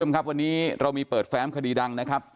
คุณผู้ชมครับวันนี้เรามีเปิดแฟ้มคดีดังนะครับ